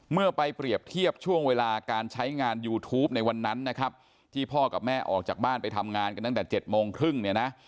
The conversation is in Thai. เมื่อไปเปรียบเทียบช่วงเวลาการใช้งานยูทูปในวันนั้นนะครับที่พ่อกับแม่ออกจากบ้านไปทำงานกันตั้งแต่๗โมงครึ่งเนี่ยนะ